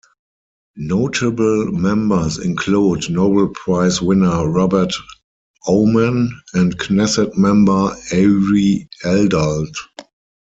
Notable members include Nobel Prize winner Robert Aumann and Knesset member Arie Eldad.